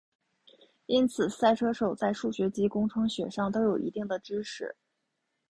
因此赛车手在数学及工程学上都有一定的知识。